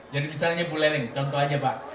jadi misalnya buleleng contoh aja pak